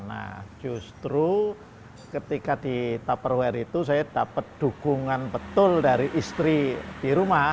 nah justru ketika di tupperware itu saya dapat dukungan betul dari istri di rumah